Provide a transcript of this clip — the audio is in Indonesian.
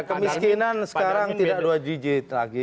kemiskinan sekarang tidak dua digit lagi